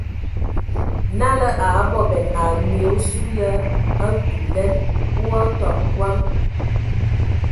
Nala a abɔbɛn ai mye osu ye a ntugəlɛn o a tɔbɔ kɔm.